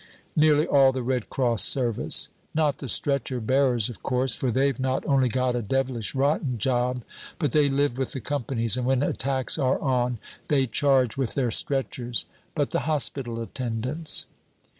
"Nearly all the Red Cross service." "Not the stretcher bearers, of course; for they've not only got a devilish rotten job, but they live with the companies, and when attacks are on they charge with their stretchers; but the hospital attendants."